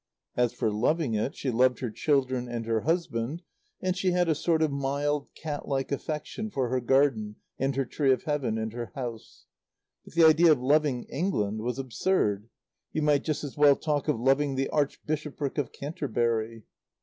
As for loving it, she loved her children and her husband, and she had a sort of mild, cat like affection for her garden and her tree of Heaven and her house; but the idea of loving England was absurd; you might just as well talk of loving the Archbishopric of Canterbury.